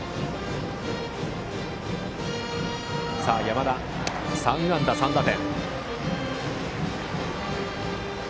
５番の山田、３安打３打点。